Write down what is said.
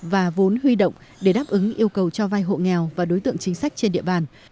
và vốn huy động để đáp ứng yêu cầu cho vay hộ nghèo và đối tượng chính sách trên địa bàn